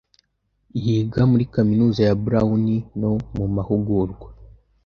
yiga muri kaminuza ya Brown no mu mahugurwa